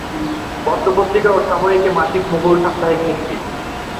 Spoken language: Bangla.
পত্র-পত্রিকা ও সাময়িকী মাসিক মুকুল, সাপ্তাহিক মুক্তি।